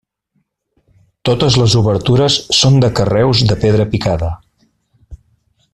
Totes les obertures són de carreus de pedra picada.